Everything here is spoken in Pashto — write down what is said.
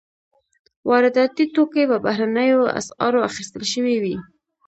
وارداتي توکي په بهرنیو اسعارو اخیستل شوي وي.